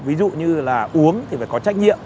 ví dụ như là uống thì phải có trách nhiệm